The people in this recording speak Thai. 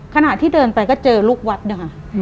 ขณะที่เดินไปก็เจอลูกวัดนะคะ